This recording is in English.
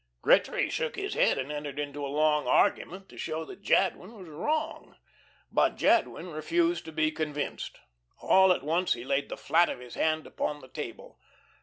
Gretry shook his head and entered into a long argument to show that Jadwin was wrong. But Jadwin refused to be convinced. All at once he laid the flat of his hand upon the table.